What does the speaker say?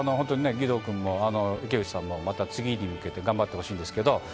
義堂君も池内さんもまた次に向けて頑張ってほしいんですけど。